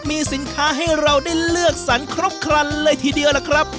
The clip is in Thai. มีสินค้าให้เราได้เลือกสรรครบครันเลยทีเดียวล่ะครับ